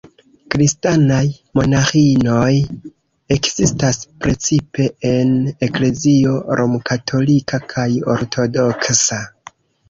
Kristanaj monaĥinoj ekzistas precipe en eklezio romkatolika kaj ortodoksa.